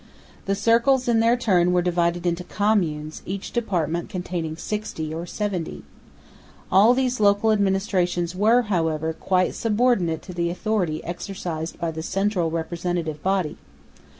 The circles in their turn were divided into communes, each department containing sixty or seventy. All these local administrations were, however, quite subordinate to the authority exercised by the central Representative Body.